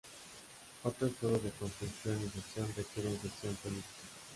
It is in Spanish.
Otros juegos de construcción y gestión requieren gestión política.